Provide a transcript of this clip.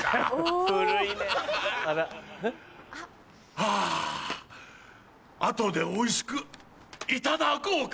あぁ後でおいしくいただこうかな。